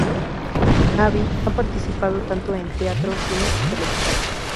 Abi ha participado tanto en teatro, cine y televisión.